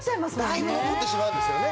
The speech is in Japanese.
だいぶ残ってしまうんですよね。